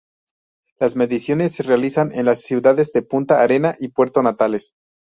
Las mediciones se realizan en las ciudades de Punta Arenas y Puerto Natales.